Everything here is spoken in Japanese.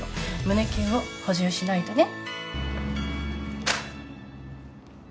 胸キュンを補充しないとね。